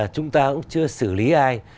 chúng ta cũng chưa xử lý ai